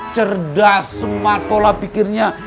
cerdas sematola pikirnya